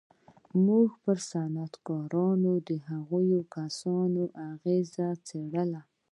موږ پر صنعتکارانو او هغو کسانو د هغه اغېز څېړو